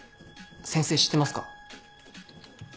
先生知ってますか？